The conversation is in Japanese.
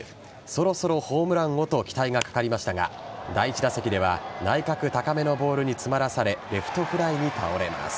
そろそろホームランをと期待がかかりましたが第１打席では内角高めのボールに詰まらされレフトフライに倒れます。